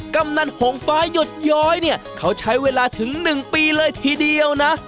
กำนันหงฟ้าหยดย้อยเนี่ยเขาใช้เวลาถึง๑ปีเลยทีเดียวนะ